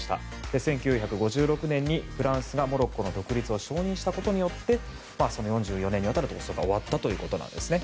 １９５６年にフランスがモロッコの独立を承認したことによってその４５年にわたる闘争が終わったということですね。